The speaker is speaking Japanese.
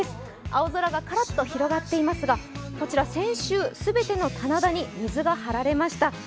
青空がカラッと広がっていますがこちら、先週全ての棚田に水が張られました。